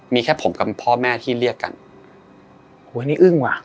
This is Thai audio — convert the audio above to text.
มีแค่ผมกับพ่อแม่ที่เรียกกันวันนี้อึ้งว่ะ